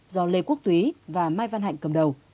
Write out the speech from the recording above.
do lê quốc túy và mai văn hạnh cầm đầu